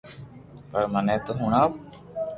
پر مني تو ھڻاو